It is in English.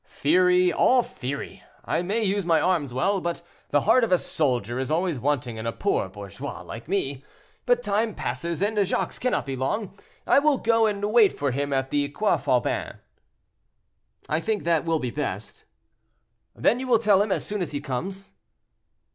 "Theory, all theory; I may use my arms well, but the heart of a soldier is always wanting in a poor bourgeois like me. But time passes, and Jacques cannot be long; I will go and wait for him at the Croix Faubin." "I think that will be best." "Then you will tell him as soon as he comes?"